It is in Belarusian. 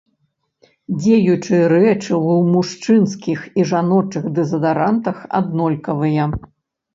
Дзеючыя рэчывы ў мужчынскіх і жаночых дэзадарантах аднолькавыя.